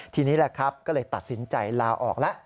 ทีนี้แหละครับก็เลยตัดสินใจลาออกแล้ว